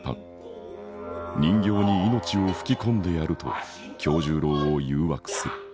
人形に命を吹き込んでやると今日十郎を誘惑する。